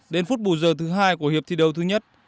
đến phút bù giờ thứ hai của hiệp thi đấu thứ nhất